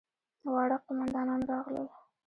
واړه قوماندان راغلل.